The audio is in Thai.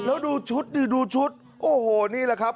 แล้วดูชุดดิดูชุดโอ้โหนี่แหละครับ